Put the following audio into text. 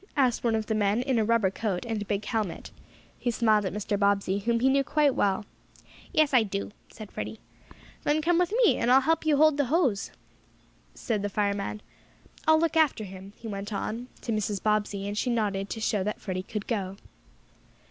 asked one of the men in a rubber coat and a big helmet. He smiled at Mr. Bobbsey, whom he knew quite well. "Yes, I do," said Freddie. "Then come with me, and I'll let you help hold the hose," said the fireman. "I'll look after him," he went on, to Mrs. Bobbsey, and she nodded to show that Freddie could go.